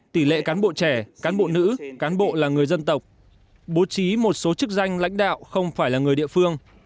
tỷ lệ cán bộ trẻ cán bộ nữ cán bộ là người dân tộc bố trí một số chức danh lãnh đạo không phải là người địa phương